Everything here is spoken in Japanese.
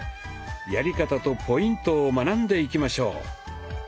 やり方とポイントを学んでいきましょう。